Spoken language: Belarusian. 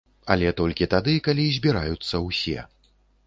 Але толькі тады, калі збіраюцца ўсе!